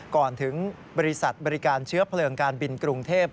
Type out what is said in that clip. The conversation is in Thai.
ก่อนถึงบริษัทบริการเชื้อเพลิงการบินกรุงเทพ